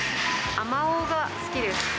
あまおうが好きです。